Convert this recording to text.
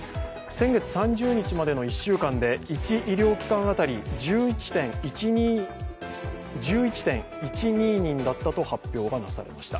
先月３０日までの１週間で１医療機関当たり１１．１２人だったと発表がなされました。